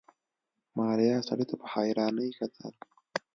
ماريا سړي ته په حيرانۍ کتل.